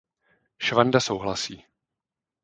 Švanda souhlasí.